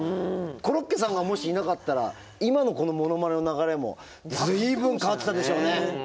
コロッケさんがもしいなかったら今のこのモノマネの流れも随分変わってたでしょうね。